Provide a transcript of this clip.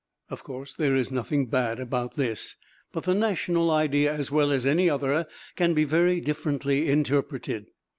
Of course, there is nothing bad about this. But the national idea as well as any other, can be very differently interpreted.